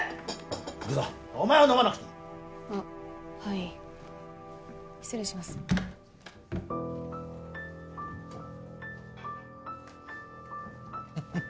行くぞお前は飲まなくていいあっはい失礼しますフッフ